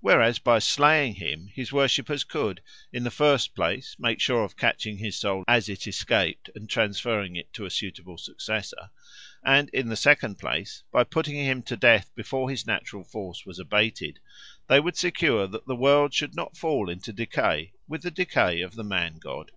Whereas by slaying him his worshippers could, in the first place, make sure of catching his soul as it escaped and transferring it to a suitable successor; and, in the second place, by putting him to death before his natural force was abated, they would secure that the world should not fall into decay with the decay of the man god.